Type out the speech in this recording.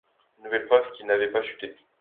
Nouvelle preuve qu’il n’y avait pas chute.